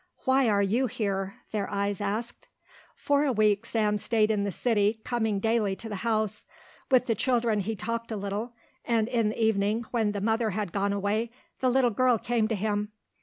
"Why are you here?" their eyes asked. For a week Sam stayed in the city, coming daily to the house. With the children he talked a little, and in the evening, when the mother had gone away, the little girl came to him.